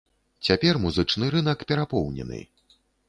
Цяпер музычны рынак перапоўнены.